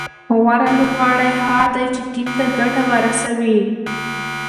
غوره لوبغاړی هغه دئ، چي ټیم ته ګټه ورسوي.